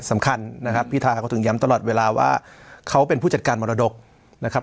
สำคัญนะครับพิธาเขาถึงย้ำตลอดเวลาว่าเขาเป็นผู้จัดการมรดกนะครับ